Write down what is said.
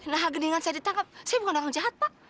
nah agar geringan saya ditangkap saya bukan orang jahat pak